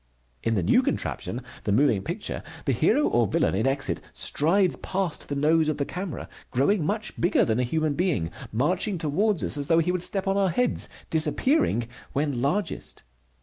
In the new contraption, the moving picture, the hero or villain in exit strides past the nose of the camera, growing much bigger than a human being, marching toward us as though he would step on our heads, disappearing when largest.